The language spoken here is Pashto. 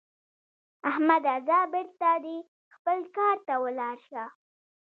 احمده؛ ځه بېرته دې خپل کار ته ولاړ شه.